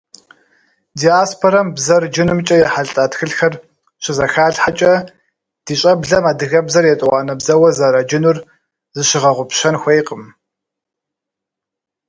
Диаспорэм бзэр джынымкӀэ ехьэлӀа тхылъхэр щызэхалъхьэкӀэ, ди щӀэблэм адыгэбзэр етӀуанэ бзэуэ зэраджынур зыщыгъэгъупщэн хуейкъым.